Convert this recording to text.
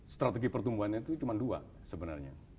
strategi pertumbuhannya itu cuma dua sebenarnya